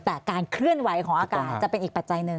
แต่การเคลื่อนไหวของอากาศจะเป็นอีกปัจจัยหนึ่ง